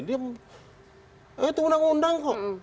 dia itu undang undang kok